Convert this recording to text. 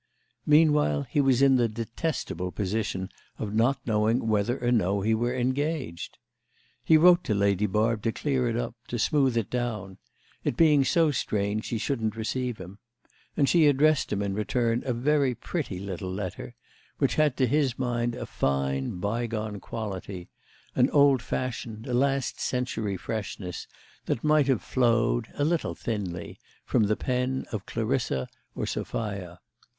Meanwhile he was in the detestable position of not knowing whether or no he were engaged. He wrote to Lady Barb to clear it up, to smooth it down—it being so strange she shouldn't receive him; and she addressed him in return a very pretty little letter, which had to his mind a fine by gone quality, an old fashioned, a last century freshness that might have flowed, a little thinly, from the pen of Clarissa or Sophia.